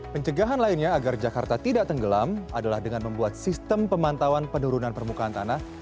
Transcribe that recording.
pencegahan lainnya agar jakarta tidak tenggelam adalah dengan membuat sistem pemantauan penurunan permukaan tanah